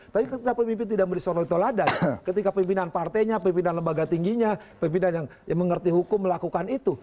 karena kita pemimpin tidak memberi soritola dan ketika pemimpinan partainya pemimpinan lembaga tingginya pemimpin yang mengerti hukum melakukan itu